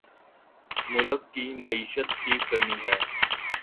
ملک کی معیشت ٹھیک کرنی ہے